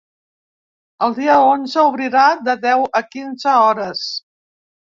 El dia onze obrirà de deu a quinze hores.